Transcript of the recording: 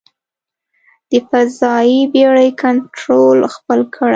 د فضايي بېړۍ کنټرول خپل کړي.